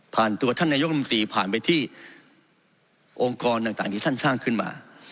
กลับขันตัวท่านนายกรมศีลภาพผ่านไปที่องค์กรต่างายังเกิดขึ้นมา